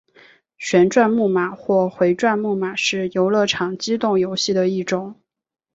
旋转木马或回转木马是游乐场机动游戏的一种。